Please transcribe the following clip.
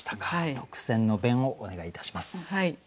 特選の弁をお願いいたします。